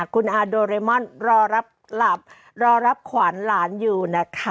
คุณอ่าโดริมอนค์รอรับขวัญหลานอยู่นะคะ